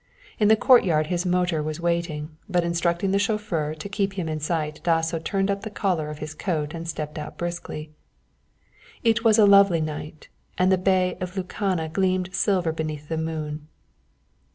In the courtyard his motor was waiting, but instructing the chauffeur to keep him in sight Dasso turned up the collar of his coat and stepped out briskly. It was a lovely night, and the Bay of Lucana gleamed silver beneath the moon.